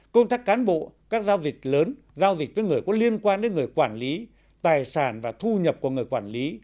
công tác cán bộ các giao dịch lớn giao dịch với người có liên quan đến người quản lý tài sản và thu nhập của người quản lý